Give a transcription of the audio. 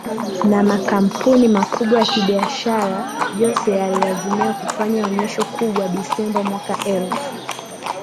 na makampuni makubwa ya kibiashara Jose aliazimia kufanya onesho kubwa disemba mwaka elfu